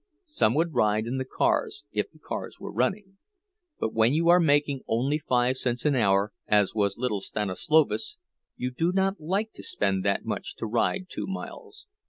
Some would ride in the cars, if the cars were running; but when you are making only five cents an hour, as was little Stanislovas, you do not like to spend that much to ride two miles.